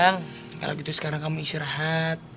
kalau gitu sekarang kamu istirahat